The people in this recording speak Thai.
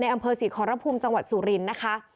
อำเภอศรีขอรพุมจังหวัดสุรินทร์นะคะ